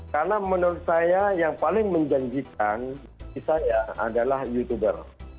karena menurut saya yang paling menjanjikan saya adalah youtuber